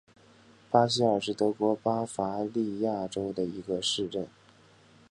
比希尔是德国巴伐利亚州的一个市镇。